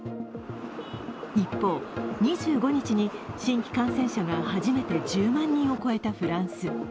一方、２５日に新規感染者が初めて１０万人を超えたフランス。